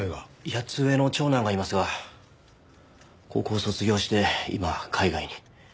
８つ上の長男がいますが高校を卒業して今海外に。